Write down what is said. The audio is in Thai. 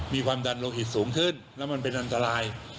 มีความดันโลหิตสูงขึ้นแล้วมันเป็นอันตราย